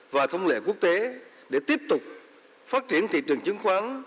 và thông lệ quốc tế để tiếp tục phát triển thị trường chứng khoán